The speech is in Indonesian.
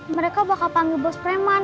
mereka bakal panggil bos preman